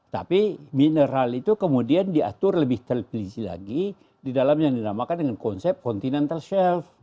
tapi mineral itu kemudian diatur lebih terpilih lagi di dalam yang dinamakan dengan konsep continental shell